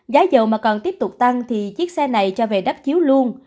giá dầu mà còn tiếp tục tăng thì chiếc xe này cho về đắp chiếu luôn